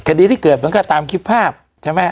คดีที่เกิดมันก็ตามคลิปภาพใช่ไหม